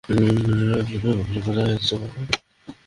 এটা আপনার হাতেই আছে।